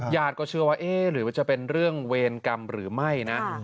ญาติก็เชื่อว่าเอ๊ะหรือมันจะเป็นเรื่องเวรกรรมหรือไม่นะ